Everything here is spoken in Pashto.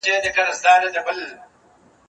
زه بايد ښوونځی ته لاړ شم!.